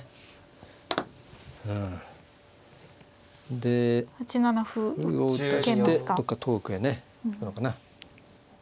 で歩を打たしてどっか遠くへね行くのかな。